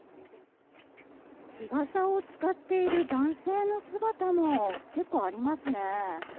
日傘を使っている男性の姿も結構ありますね。